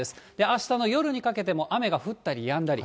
あしたの夜にかけても雨が降ったりやんだり。